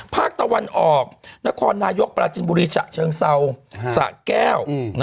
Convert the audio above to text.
ภาคตะวันออกนครนายกปราจินบุรีฉะเชิงเศร้าสะแก้ว